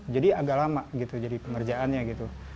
jadi agak lama gitu jadi pemerjaannya gitu